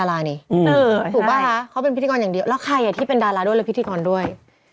แล้วใครที่เป็นดาราด้วยและพิธีกรด้วย